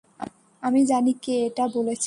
আমি জানি কে এটা বলেছে।